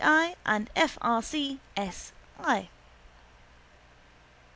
I. and F. R. C. S. I.